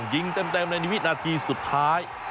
ยิงเต็มเลยในวินาทีสุดท้าย